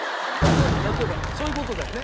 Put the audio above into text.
例えばそういう事だよね？